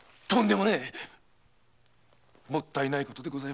もったいない事でございます。